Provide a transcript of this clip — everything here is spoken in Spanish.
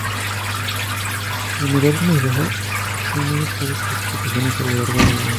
La humedad es muy baja, con muy escasas precipitaciones a lo largo del año.